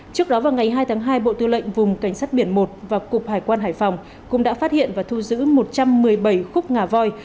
trước đó vào ngày hai tháng hai bộ tư lệnh vùng cảnh sát biển một và cục hải quan hải phòng cũng đã phát hiện và thu giữ một trăm một mươi bảy khúc ngà voi